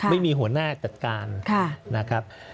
ไม่มีหัวหน้าจัดการนะครับ